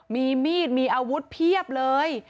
มีมีดมีอาวุธเพียบเลย